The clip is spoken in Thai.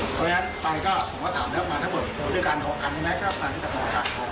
เพราะฉะนั้นไปก็ผมก็ถามแล้วกันถ้าบอกด้วยกันของการยังไงข้าวประวัติถ้าบอกค่ะ